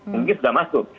mungkin sudah masuk